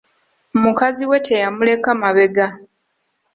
Mukazi we teyamuleka mabega.